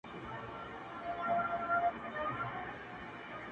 لا په زړه كي مي هغه نشه تازه ده!.